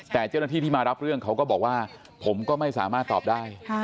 แต่เจ้าหน้าที่ที่มารับเรื่องเขาก็บอกว่าผมก็ไม่สามารถตอบได้